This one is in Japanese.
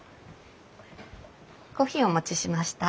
コーヒーお持ちしました。